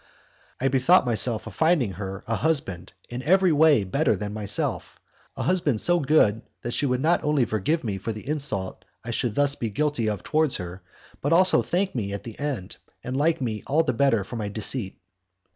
I bethought myself of finding her a husband in every way better than myself; a husband so good that she would not only forgive me for the insult I should thus be guilty of towards her, but also thank me at the end, and like me all the better for my deceit.